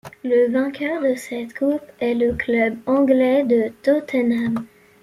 Le vainqueur de cette coupe est le club anglais de Tottenham.